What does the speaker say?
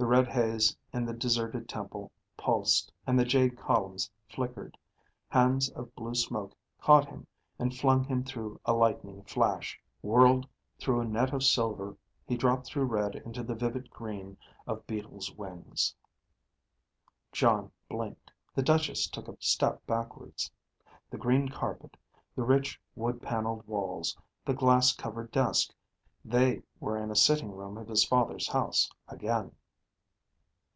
The red haze in the deserted temple pulsed and the jade columns flickered. Hands of blue smoke caught him and flung him through a lightning flash. Whirled through a net of silver, he dropped through red into the vivid green of beetles' wings. Jon blinked. The Duchess took a step backwards. The green carpet, the rich wood paneled walls, the glass covered desk: they were in a sitting room of his father's house, again.